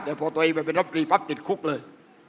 แต่พอตัวเองไปเป็นรับตรีปั๊บติดคุกเลย